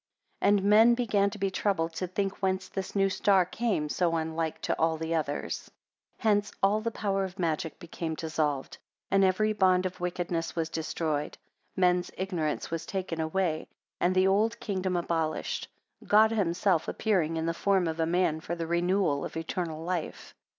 12 And men began to be troubled to think whence this new star came so unlike to all the others. 13 Hence all the power of magic became dissolved; and every bond of wickedness was destroyed: men's ignorance was taken away; and the old kingdom abolished; God himself appearing in the form of a man, for the renewal of eternal life.